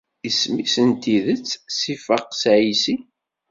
Isem-is n tidet Sifaks Ɛisi.